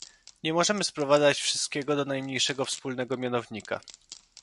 Nie możemy sprowadzać wszystkiego do najmniejszego wspólnego mianownika